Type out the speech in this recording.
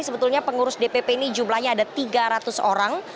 sebetulnya pengurus dpp ini jumlahnya ada tiga ratus orang